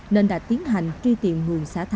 nên đã tiến hành truy tiện nguồn xã thải